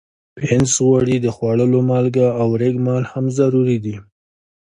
پنس، غوړي، د خوړلو مالګه او ریګ مال هم ضروري دي.